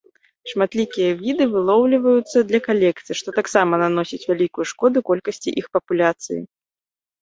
Шматлікія віды вылоўліваюцца для калекцый, што таксама наносіць вялікую шкоду колькасці іх папуляцый.